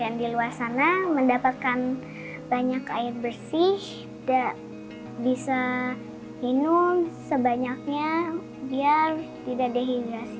yang diluar sana mendapatkan banyak air bersih dan bisa minum sebanyaknya biar tidak dehidrasi